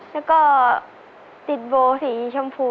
นักก็ติดบลสีชมพู